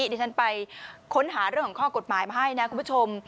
ดิฉันไปค้นหาเรื่องของข้อกฎหมายมาให้นะคุณผู้ชม